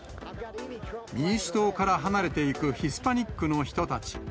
民主党から離れていくヒスパニックの人たち。